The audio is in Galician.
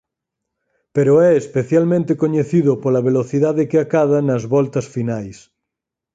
Pero é especialmente coñecido pola velocidade que acada nas voltas finais.